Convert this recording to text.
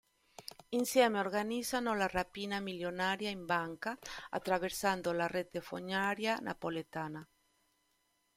Insieme organizzano la rapina milionaria in banca attraversando la rete fognaria napoletana.